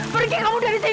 pergi kamu dari sini